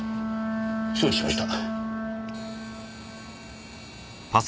承知しました。